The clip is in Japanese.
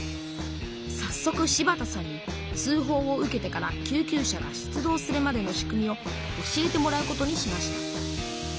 さっそく柴田さんに通ほうを受けてから救急車が出動するまでの仕組みを教えてもらうことにしました